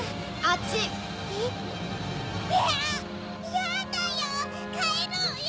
ヤダよ！かえろうよ！